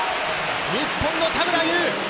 日本の田村優。